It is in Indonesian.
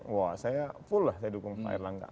wah saya full lah saya dukung pak erlangga